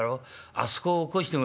あそこ起こしてもらっ」。